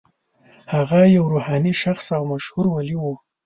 هغه یو روحاني شخص او مشهور ولي و.